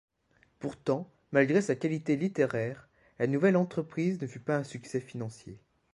Pourtant malgré sa qualité littéraire, la nouvelle entreprise ne fut pas un succès financier.